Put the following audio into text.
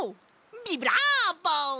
ビブラボ！